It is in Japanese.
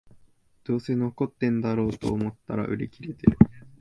どうせ残ってんだろと思ったら売り切れてる